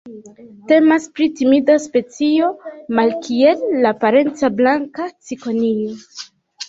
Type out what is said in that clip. Temas pri timida specio, malkiel la parenca Blanka cikonio.